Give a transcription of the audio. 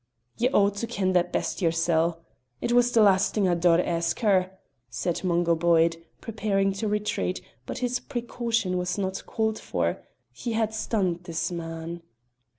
"Ye ought to ken that best yoursel'. It was the last thing I daur ask her," said Mungo Boyd, preparing to retreat, but his precaution was not called for, he had stunned his man.